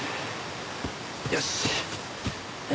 よし。